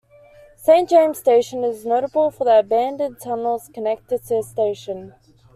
Saint James station is notable for the abandoned tunnels connected to the station.